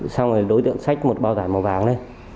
xong rồi đối tượng xách một bao tải màu vàng lên